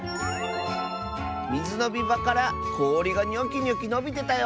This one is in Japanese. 「みずのみばからこおりがニョキニョキのびてたよ！」。